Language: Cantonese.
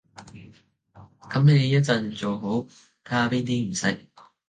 噉你一陣做好，睇下邊啲唔識